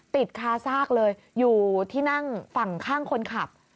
ติดคาซากเลยอยู่ที่นั่งฝั่งข้างคนขับ